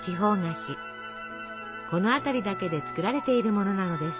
この辺りだけで作られているものなのです。